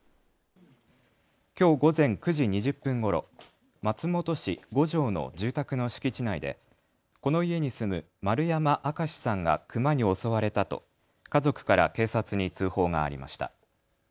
きょう午前９時２０分ごろ、松本市五常の住宅の敷地内でこの家に住む丸山明さんがクマに襲われたと家族から警察に通報がありました。